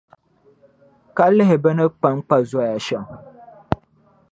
Ka lihi bɛ ni kpankpa zoya shɛm?